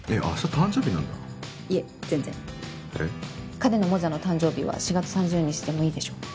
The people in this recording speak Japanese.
金野モジャの誕生日は４月３０日でもいいでしょ？